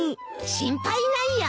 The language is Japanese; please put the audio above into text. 心配ないよ。